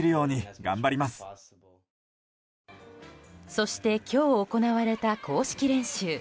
そして今日行われた公式練習。